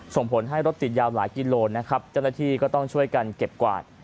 ส่งผลให้รถติดยาวหลายกิโลนะครับเจ้าหน้าที่ก็ต้องช่วยกันเก็บกวาด